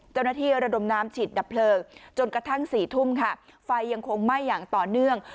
เจ้าหน้าที่ระดมน้ำฉีดดับเพลิงจนกระทั่ง๔ทุ่มไฟยังคงไหม้อย่างต่อเนื่อง